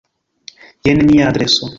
Jen mia adreso.